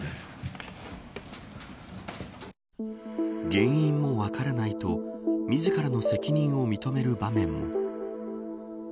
原因も分からないと自らの責任を認める場面も。